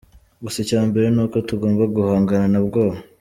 Gusa icya mbere nuko tugomba guhangana nta bwoba.